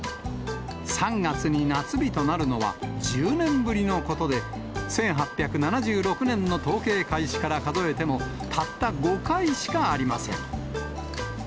３月に夏日となるのは１０年ぶりのことで、１８７６年の統計開始から数えても、たった５回しかありません。